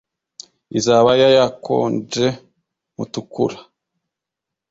izaba yayakonje mutukura